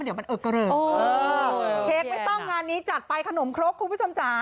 เกลือเกลือเค้กไม่ต้องงานนี้จัดไปขนมครบคุณผู้ชมจำ